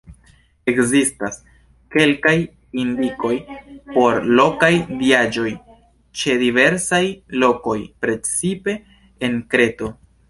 Ekzistas kelkaj indikoj por lokaj diaĵoj ĉe diversaj lokoj, precipe en Kreto.